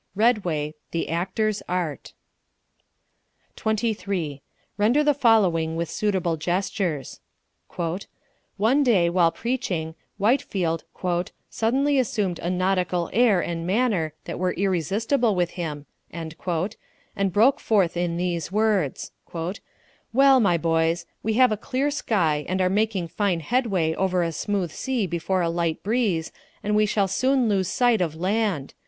REDWAY, The Actor's Art. 23. Render the following with suitable gestures: One day, while preaching, Whitefield "suddenly assumed a nautical air and manner that were irresistible with him," and broke forth in these words: "Well, my boys, we have a clear sky, and are making fine headway over a smooth sea before a light breeze, and we shall soon lose sight of land.